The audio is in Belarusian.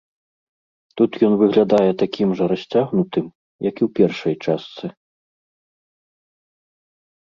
Тут ён выглядае такім жа расцягнутым, як і ў першай частцы.